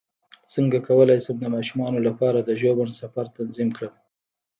څنګه کولی شم د ماشومانو لپاره د ژوبڼ سفر تنظیم کړم